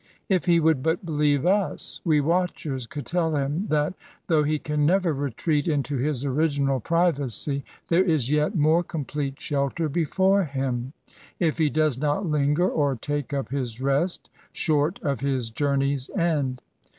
If he would but believe us, we watchers could tell him that, though he can never retreat into his original privacy, there is a yet more complete shelter before him, if he does not linger, or take up his rest short of his journey's end.